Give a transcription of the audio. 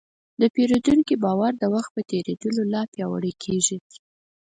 د پیرودونکي باور د وخت په تېرېدو لا پیاوړی کېږي.